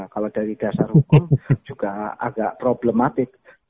kalau dari dasar hukum juga agak problematik